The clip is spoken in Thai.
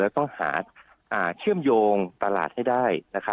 ต้องหาเชื่อมโยงตลาดให้ได้